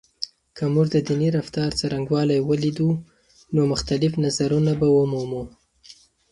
که موږ د دیني رفتار څرنګوالی ولیدو، نو مختلف نظرونه به ومومو.